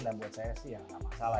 dan buat saya sih yang enggak masalah